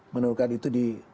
menurutkan itu di